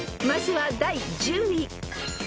［まずは第１０位］